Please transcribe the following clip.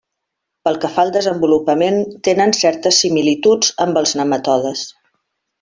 Pel que fa al desenvolupament, tenen certes similituds amb els nematodes.